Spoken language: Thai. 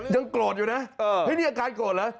ยังโกรธอยู่นะเฮ้ยนี่อาการโกรธเหรอ